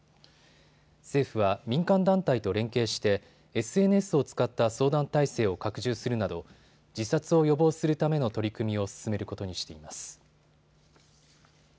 政府は民間団体と連携してＳＮＳを使った相談体制を拡充するなど自殺を予防するための取り組みを進めることにしています。